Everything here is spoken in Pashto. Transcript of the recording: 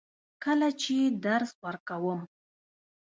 کله چې درس ورکوم.